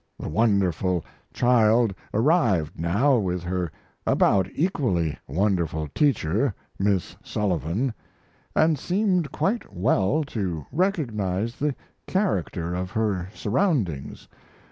The wonderful child arrived now with her about equally wonderful teacher, Miss Sullivan, and seemed quite well to recognize the character of her surroundings.